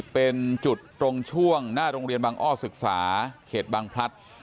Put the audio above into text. เป็นจุดตรงช่วงหน้าโรงเรียนบางอ้อศึกษาเขตบางพลัด